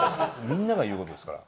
みんなが言うことですから。